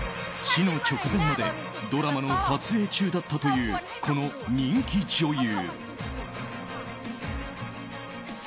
死の直前までドラマの撮影中だったというこの人気女優。